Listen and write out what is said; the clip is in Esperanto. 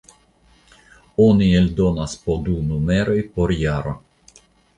Oni eldonas po du numeroj por jaro.